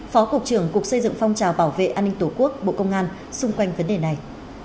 phó cục trưởng cục xây dựng phong trào bảo vệ an ninh tổ quốc bộ công an xung quanh vấn đề này